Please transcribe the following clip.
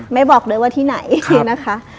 ไม่บอกเลยว่าที่ไหนนะคะ